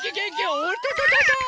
おっとととと。